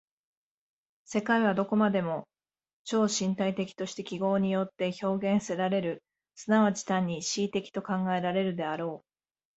世界はどこまでも超身体的として記号によって表現せられる、即ち単に思惟的と考えられるであろう。